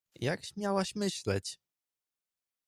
— Jak śmiałaś myśleć?